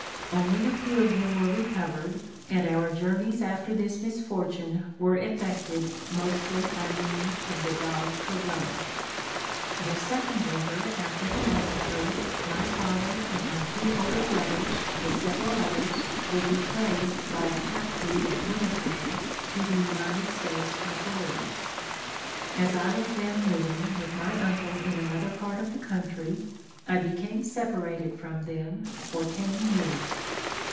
Only a few of them were recovered, and our journeys after this misfortune were effected mostly by means of the dog travaux. The second winter after the massacre, my father and my two older brothers, with several others, were betrayed by a half breed at Winnipeg to the United States authorities. As I was then living with my uncle in another part of the country, I became separated from them for ten years.